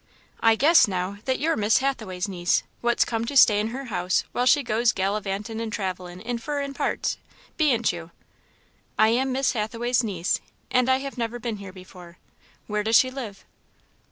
"I guess, now, that you're Miss Hathaway's niece, what's come to stay in her house while she goes gallivantin' and travellin' in furrin parts, be n't you?" "I am Miss Hathaway's niece, and I have never been here before. Where does she live?"